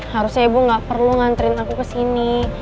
harusnya ibu gak perlu nganterin aku kesini